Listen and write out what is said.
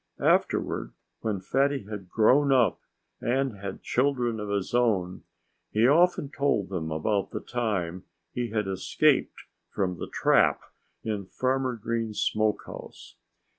Afterward, when Fatty had grown up, and had children of his own, he often told them about the time he had escaped from the trap in Farmer Green's smokehouse.